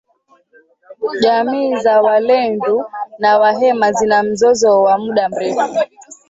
Jamii za walendu na wahema zina mzozo wa muda mrefu